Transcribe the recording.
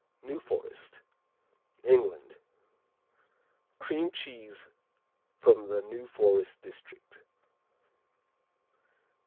New Forest England Cream cheese from the New Forest district.